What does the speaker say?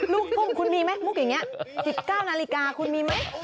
ลูกทุ่งคุณมีไหมมุกอย่างนี้๑๙นาฬิกาคุณมีไหม